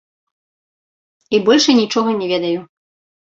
І больш я нічога не ведаю.